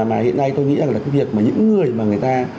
mà hiện nay tôi nghĩ rằng là cái việc mà những người mà người ta